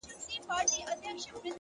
اخلاق د باور لومړنۍ ژبه ده!